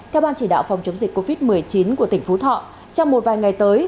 theo ban chỉ đạo phòng chống dịch covid một mươi chín của tỉnh phú thọ trong một vài ngày tới